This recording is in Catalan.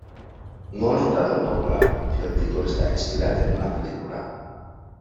No està del tot clar si el títol està inspirat en una pel·lícula.